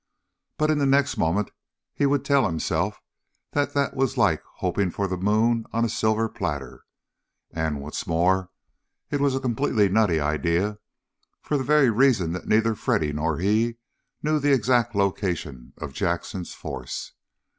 But in the next moment he would tell himself that that was like hoping for the moon on a silver platter. And what's more, it was a completely nutty idea for the very reason that neither Freddy nor he knew the exact location of Jackson's force.